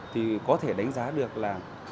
thì có thể đánh giá được một cách nào đó